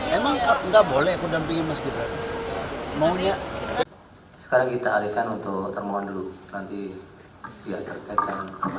hai teman teman enggak boleh kudampingi meskipun maunya sekarang kita alihkan untuk termoan dulu